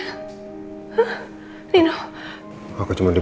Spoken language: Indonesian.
kejadian dapat brock nunggu